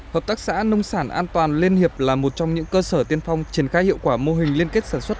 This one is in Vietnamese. hợp tác xã nông sản an toàn liên hiệp là một trong những cơ sở tiên phong triển khai hiệu quả mô hình liên kết sản xuất